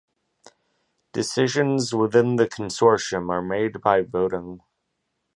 Decisions within the consortium are made by voting.